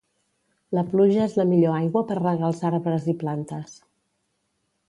La pluja és la millor aigua per regar els arbres i plantes